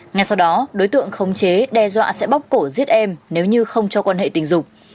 ngay sau đó đối tượng khống chế đe dọa sẽ bóc cổ giết em nếu như không cho quan hệ tình dục